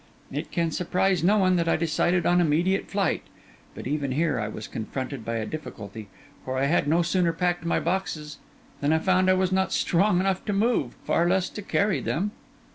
It can surprise no one that I decided on immediate flight; but even here I was confronted by a difficulty, for I had no sooner packed my boxes than I found I was not strong enough to move, far less to carry them.